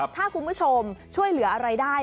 ถ้าคุณผู้ชมช่วยเหลืออะไรได้